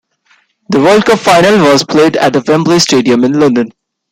The World Cup Final was played at the Wembley Stadium in London.